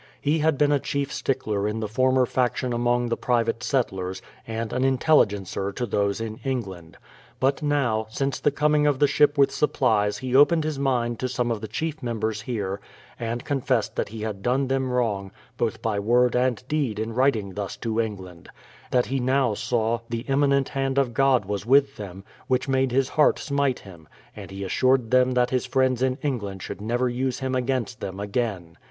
He had been a chief stick ler in the former faction among the private settlers, and an intelligencer to those in England. But now, since the com ing of the ship with supplies he opened his mind to some of the chief members here, and confessed that he had done them wrong both by word and deed in writing thus to England ; that he now saw the eminent hand' of God was with them, which made his heart smite him ; and he assured them that his friends in England should never use him against them again.